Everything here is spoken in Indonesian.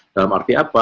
dalam arti apa